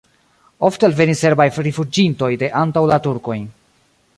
Ofte alvenis serbaj rifuĝintoj de antaŭ la turkojn.